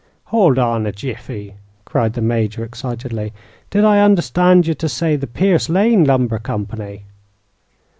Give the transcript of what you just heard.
"Howld on a jiffy!" cried the Major, excitedly. "Did I understand you to say the Pierce Lane Lumber Company?"